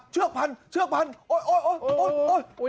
เชือกพันโอ๊ยโอ๊ยโอ๊ยโอ๊ย